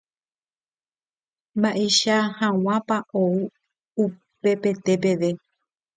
mba'eicha hag̃uápa ou upepete peve